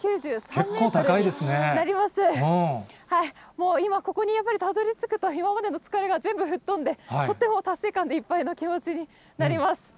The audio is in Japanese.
もう今、ここにやっぱりたどりつくと、今までの疲れが全部吹っ飛んで、とっても達成感でいっぱいの気持ちになります。